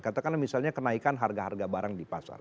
katakanlah misalnya kenaikan harga harga barang di pasar